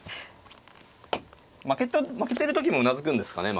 負けてる時もうなずくんですかね？